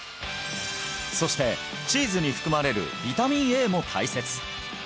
そしてチーズに含まれるビタミンＡも大切